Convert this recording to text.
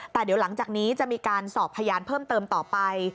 แต่เดี๋ยวหลังจากนี้จะมีการสอบพยานเพิ่มเติมต่อไป